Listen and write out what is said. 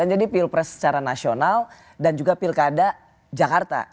jadi pilpres secara nasional dan juga pilkada jakarta